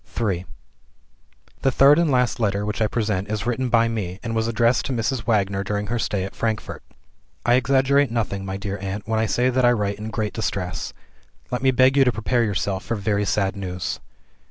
III The third and last letter which I present is written by me, and was addressed to Mrs. Wagner during her stay at Frankfort: "I exaggerate nothing, my dear aunt, when I say that I write in great distress. Let me beg you to prepare yourself for very sad news.